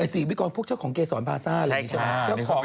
ศรีวิกรพวกเจ้าของเกษรภาษาใช่ไหม